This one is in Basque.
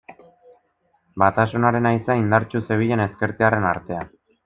Batasunaren haizea indartsu zebilen ezkertiarren artean.